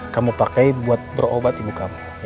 kamu pakai buat berobat ibu kamu